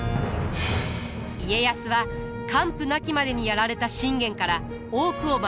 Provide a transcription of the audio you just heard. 家康は完膚なきまでにやられた信玄から多くを学び取ります。